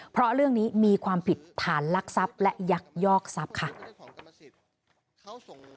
เพราะเรื่องนี้มีความผิดฐานลักทรัพย์และยักยอกทรัพย์ค่ะ